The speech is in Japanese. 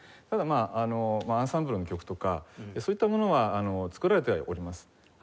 ただアンサンブルの曲とかそういったものは作られてはおります。